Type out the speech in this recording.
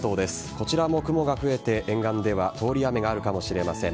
こちらも雲が増えて、沿岸では通り雨があるかもしれません。